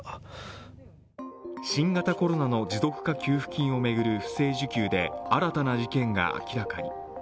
新型コロナの持続化給付金を巡る不正受給で新たな事件が明らかに。